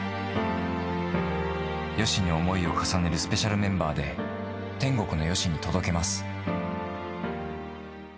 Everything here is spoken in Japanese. ＹＯＳＨＩに思いを重ねるスペシャルメンバーで、天国のＹＯＳＨＩに届けます。